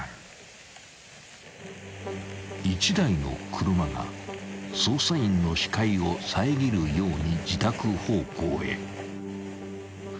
［１台の車が捜査員の視界を遮るように自宅方向へ］